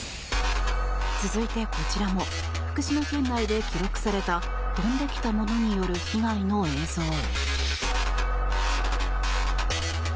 続いて、こちらも福島県内で記録された飛んできた物による被害の映像。